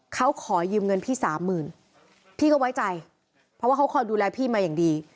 เขาขอยืมเงินพี่สามหมื่นพี่ก็ไว้ใจเพราะว่าเขาคอยดูแลพี่มาอย่างดี